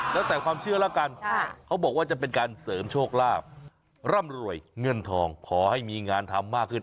เงื่อนทองขอให้มีงานทำมากขึ้น